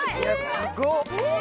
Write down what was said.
すごっ！